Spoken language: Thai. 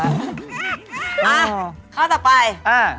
อ้าข้อต่อไปอ้า